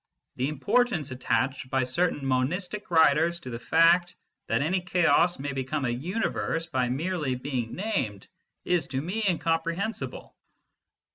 The importance attached by certain monistic writers to the fact that any chaos may become a universe by merely being named, is to me incomprehensible."